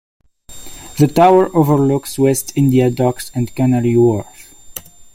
The tower overlooks West India Docks and Canary Wharf.